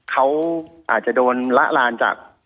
เขาอาจจะโดนละลานจาก